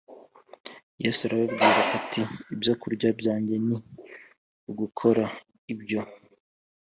Yesu arababwira ati ibyokurya byanjye ni ugukora ibyo